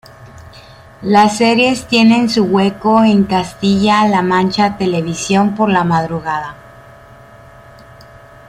Las series tienen su hueco en Castilla-La Mancha Televisión por la madrugada.